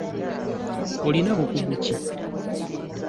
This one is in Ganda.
Olina bukugu ki?